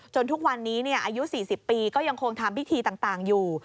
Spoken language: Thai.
ทุกวันนี้อายุ๔๐ปีก็ยังคงทำพิธีต่างอยู่